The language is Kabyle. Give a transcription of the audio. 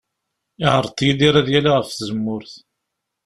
Iɛreḍ Yidir ad yali ɣef tzemmurt.